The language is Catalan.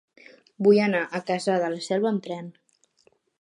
Vull anar a Cassà de la Selva amb tren.